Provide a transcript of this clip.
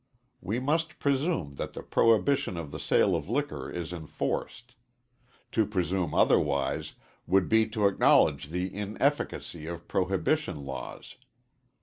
We must presume that the prohibition of the sale of liquor is enforced. To presume otherwise would be to acknowledge the inefficacy of prohibition laws.